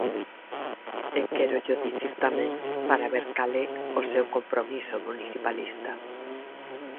E quérollo dicir tamén para ver cal é o seu compromiso municipalista.